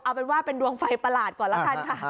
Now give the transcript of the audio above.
เอาเป็นว่าเป็นดวงไฟประหลาดก่อนละกันค่ะ